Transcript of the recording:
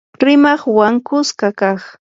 rimaqwan kuska kaq